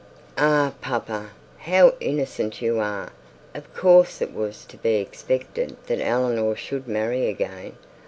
'Ah, papa, how innocent you are! Of course it was to be expected that Eleanor should marry again.